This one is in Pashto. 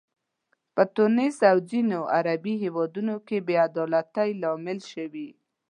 په تونس او ځینو عربي هیوادونو کې بې عدالتۍ لامل شوي.